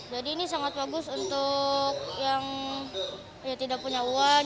ini sangat bagus untuk yang tidak punya uang